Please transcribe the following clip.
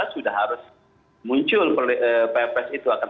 dua ribu delapan belas sudah harus muncul pprs itu akan